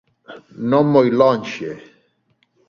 Non moi lonxe.